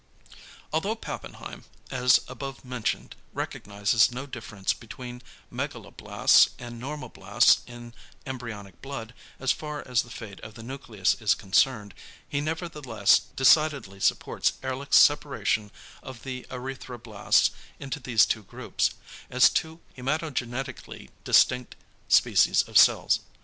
Although Pappenheim, as above mentioned, recognises no difference between megaloblasts and normoblasts in embryonic blood as far as the fate of the nucleus is concerned, he nevertheless decidedly supports Ehrlich's separation of the erythroblasts into these two groups, as two hæmatogenetically distinct species of cells.